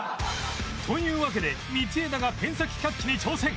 というわけで道枝がペン先キャッチに挑戦